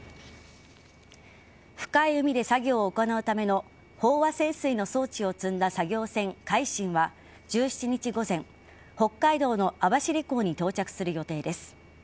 深い海で作業を行うための飽和潜水の装置を積んだ作業船「海進」は１７日午前北海道の網走港に到着する予定です。